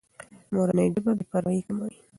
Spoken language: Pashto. مورنۍ ژبه بې پروایي کموي.